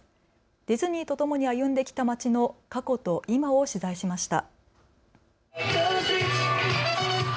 ディズニーとともに歩んできた街の過去と今を取材しました。